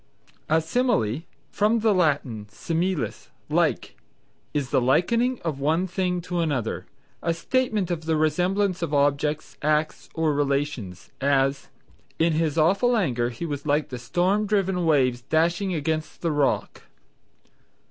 A Simile (from the Latin similis, like), is the likening of one thing to another, a statement of the resemblance of objects, acts, or relations; as "In his awful anger he was like the storm driven waves dashing against the rock."